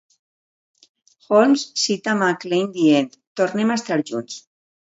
Holmes cita McLean dient: "Tornem a estar junts".